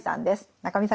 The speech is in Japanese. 中見さん